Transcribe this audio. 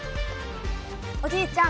おじいちゃん